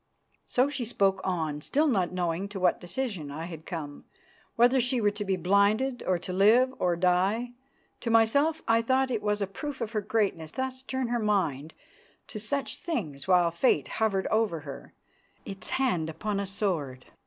So she spoke on, still not knowing to what decision I had come; whether she were to be blinded or to live or die. To myself I thought it was a proof of her greatness that she could thus turn her mind to such things while Fate hovered over her, its hand upon a sword.